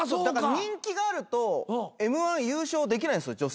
だから人気があるとＭ−１優勝できないんですよ